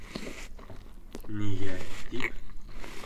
Нигә тип...